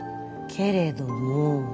けれども？